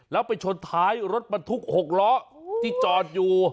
แล้วไปชนท้ายรถบรรทุก๖ล้อที่จอดอยู่